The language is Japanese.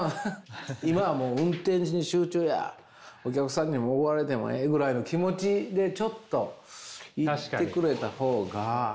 今はもう運転に集中やお客さんに怒られてもええぐらいの気持ちでちょっといってくれた方が。